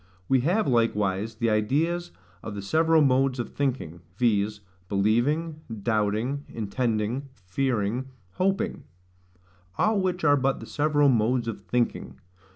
We have likewise the ideas of the several modes of thinking viz. believing, doubting, intending, fearing, hoping; all which are but the several modes of thinking.